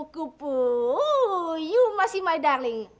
kamu masih sayangku